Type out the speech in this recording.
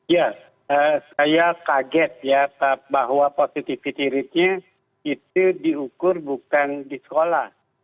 ya saya kaget ya bahwa positivity ratenya itu diukur bukan di sekolah